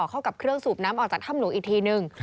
เข้ากับเครื่องสูบน้ำออกจากถ้ำหลวงอีกทีนึง